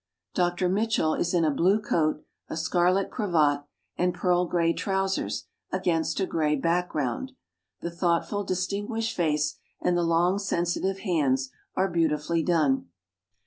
Dr. Mitchell is in a blue coat, a scarlet cravat, and pearl grey trousers against a grey background. The thoughtful, • distinguished face, and the long, sensi tive hands are beautifully done.